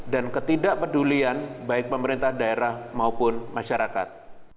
dan ketidakpedulian baik pemerintah daerah maupun masyarakat